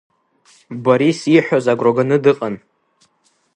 Борис ииҳәоз агәраганы дыҟан.